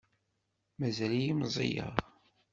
Mazal-iyi meẓẓiyeɣ.